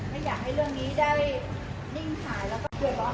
ไม่อยากให้เรื่องนี้ได้นิ่งหายแล้วก็เดือดร้อน